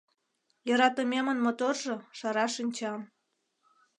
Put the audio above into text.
Йӧратымемын моторжо - шара шинчан